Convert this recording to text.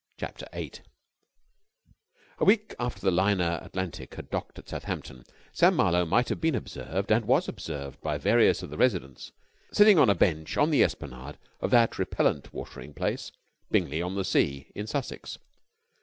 CHAPTER EIGHT A week after the liner Atlantic had docked at Southampton, Sam Marlowe might have been observed and was observed by various of the residents sitting on a bench on the esplanade of that repellent watering place, Bingley on the Sea, in Sussex.